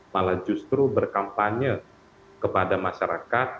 malah justru berkampanye kepada masyarakat